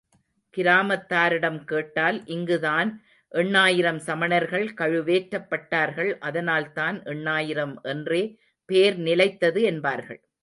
கிராமத்தாரிடம் கேட்டால் இங்குதான் எண்ணாயிரம் சமணர்கள் கழுவேற்றப்பட்டார்கள் அதனால்தான் எண்ணாயிரம் என்ற பேர் நிலைத்தது என்பார்கள்.